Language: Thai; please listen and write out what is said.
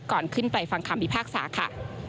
ก่อนขึ้นไปฟังคำพิพากษาค่ะ